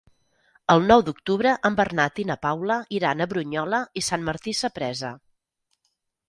El nou d'octubre en Bernat i na Paula iran a Brunyola i Sant Martí Sapresa.